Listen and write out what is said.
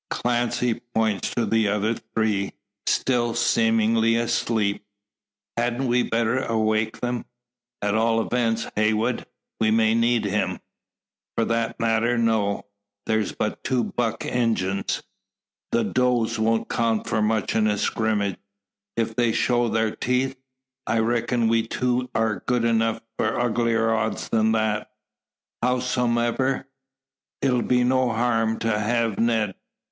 Clancy points to the other three, still seemingly asleep. "Hadn't we better awake them? At all events, Heywood: we may need him." "For that matter, no. Thar's but two buck Injuns. The does wont count for much in a skrimmage. Ef they show thar teeth I reckin we two air good for uglier odds than that. Howsomever, it'll be no harm to hev Ned.